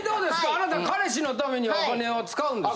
あなた彼氏のためにはお金は使うんですか？